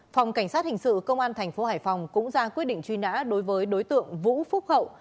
phòng cảnh sát hình sự công an thành phố hải phòng cũng ra quyết định truy nã đối với đối tượng vũ phúc hậu